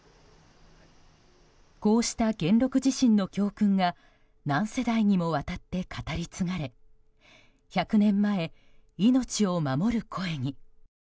こうした元禄地震の教訓が何世代にもわたって語り継がれ１００年前、命を守る声に。